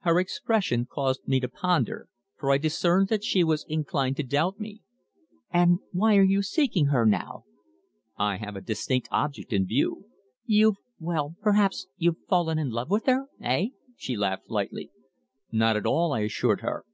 Her expression caused me to ponder, for I discerned that she was inclined to doubt me. "And why are you seeking her now?" "I have a distinct object in view." "You've well, perhaps you've fallen in love with her eh?" she laughed lightly. "Not at all," I assured her.